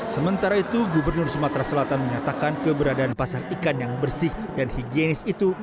sementara itu gubernur sumatera selatan menyatakan keberadaan pasar ikan yang bersih dan higienis itu